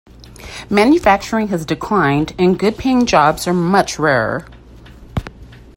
Manufacturing has declined and good paying jobs are much rarer.